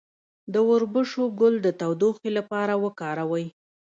د وربشو ګل د تودوخې لپاره وکاروئ